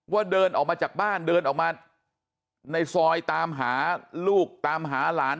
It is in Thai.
เดินออกมาจากบ้านเดินออกมาในซอยตามหาลูกตามหาหลาน